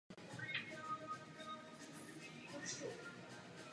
Uvnitř je kostel sklenut valeně s lunetami.